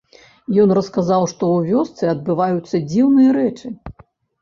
Ён расказаў, што ў вёсцы адбываюцца дзіўныя рэчы.